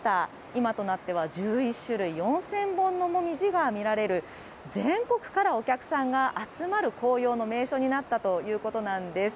今となっては１１種類４０００本のもみじが見られる、全国からお客さんが集まる紅葉の名所となったんです。